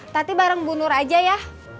tapi bareng bu nur aja ya